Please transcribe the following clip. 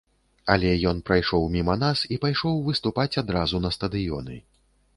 Але ён прайшоў міма нас і пайшоў выступаць адразу на стадыёны.